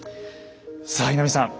さあ稲見さん